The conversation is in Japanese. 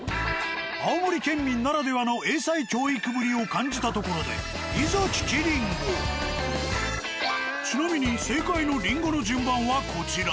青森県民ならではの英才教育ぶりを感じたところでちなみに正解のりんごの順番はこちら。